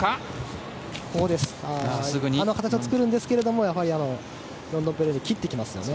あの形を作るんですけどやはりヨンドンペレンレイ切ってきますよね。